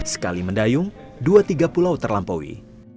sekali mendayung dua tiga pulau terlampaui